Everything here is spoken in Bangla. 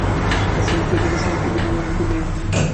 তাঁর সমস্ত জগৎ, সমস্ত পৃথিবী আমাকে নিয়েই।